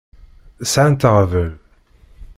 Sɛant aɣbel.